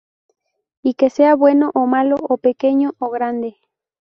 Y que sea bueno o malo o pequeño o grande.